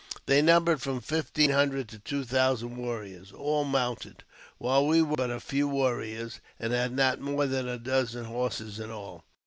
They numbered from fifteen hundred to two thousand warriors, all mounted, while we were but a very few warriors, and had not more than a dozen horses in all.